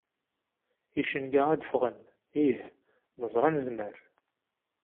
Icenga ad ffɣen, ih, neẓra nezmer.